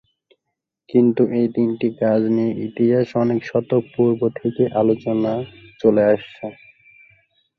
কিন্তু এই তিনটি কাজ নিয়ে ইতিহাসে অনেক শতক পুর্ব থেকে আলোচনা চলে আসছে।